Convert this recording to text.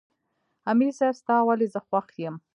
" امیر صېب ستا ولې زۀ خوښ یم" ـ